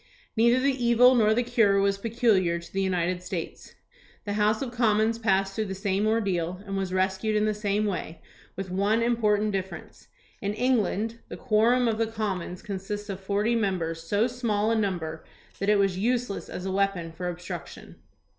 Neither the evil nor the cure was peculiar to the United States. The House of Commons passed through the same ordeal and was rescued in the same way, with one important difference. In England the quorum of the Commons consists of forty members, so small a number that it was useless as a weapon for obstruc tion.